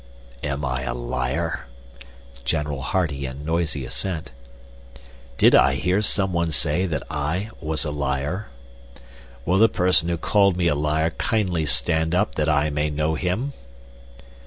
"Am I a liar?" (General hearty and noisy assent.) "Did I hear someone say that I was a liar? Will the person who called me a liar kindly stand up that I may know him?"